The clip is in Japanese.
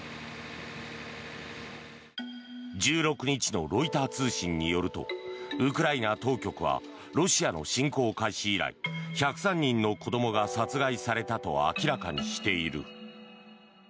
１６日のロイター通信によるとウクライナ当局はロシアの侵攻開始以来１０３人の子どもが殺害されたと明らかにしている。